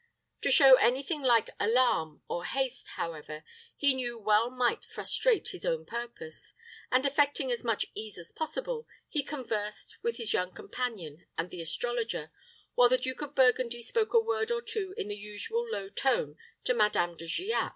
To show any thing like alarm or haste, however, he knew well might frustrate his own purpose; and, affecting as much ease as possible, he conversed with his young companion and the astrologer, while the Duke of Burgundy spoke a word or two in the usual low tone to Madame De Giac.